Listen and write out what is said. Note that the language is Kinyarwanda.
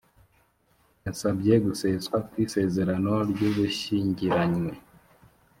yasabye guseswa kw’isezerano ry’ubushyingiranywe